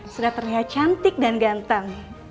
sudah terlihat cantik dan ganteng